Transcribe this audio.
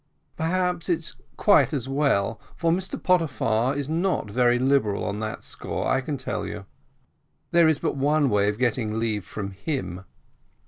"Perhaps it's quite as well, for Mr Pottyfar is not very liberal on that score, I can tell you; there is but one way of getting leave from him."